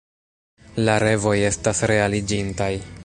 La revoj estas realiĝintaj.